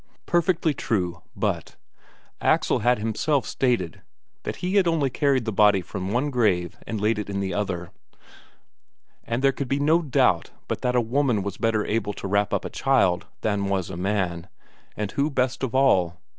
Perfectly true. But Axel had himself stated that he had only carried the body from one grave and laid it in the other. And there could be no doubt but that a woman was better able to wrap up a child than was a man and who best of all?